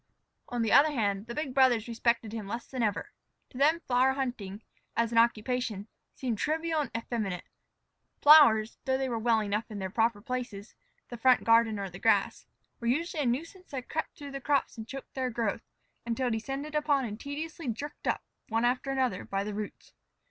On the other hand, the big brothers respected him less than ever. To them flower hunting, as an occupation, seemed trivial and effeminate. Flowers, though they were well enough in their proper places, the front garden or the grass, were usually a nuisance that crept through the crops and choked their growth, until descended upon and tediously jerked up, one after another, by the roots.